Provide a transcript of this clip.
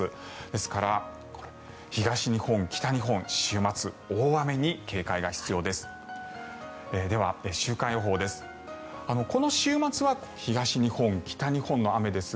ですから、東日本、北日本週末、大雨に警戒が必要です。